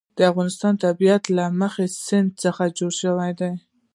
د افغانستان طبیعت له د کابل سیند څخه جوړ شوی دی.